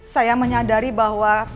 saya menyadari bahwa